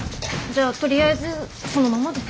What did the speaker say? じゃあとりあえずそのままで。